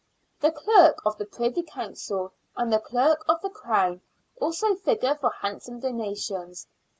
The Clerk of the Privy Council and the Clerk of the Crown also figure for handsome donations.